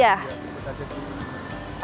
iya di pencet ini